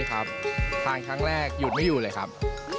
ครับทานครั้งแรกหยุดไม่อยู่เลยครับ